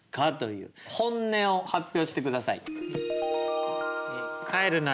本音を発表してください。